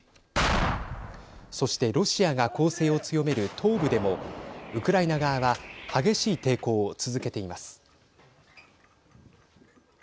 そしてロシアが攻勢を強める東部でもウクライナ側は激しい抵抗を続けています。